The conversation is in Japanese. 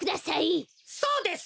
そうです。